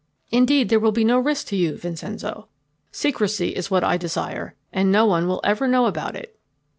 Indeed, there will be no risk to you, Vincenzo. Secrecy is what I desire, and no one will ever know about it."